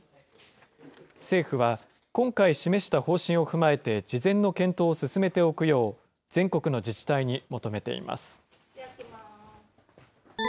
政府は、今回示した方針を踏まえて事前の検討を進めておくよう、全国の自治体に求めています。